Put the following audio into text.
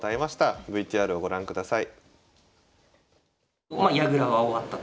ＶＴＲをご覧ください。